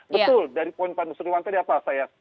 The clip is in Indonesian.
betul dari poin pak nur sirwan tadi apa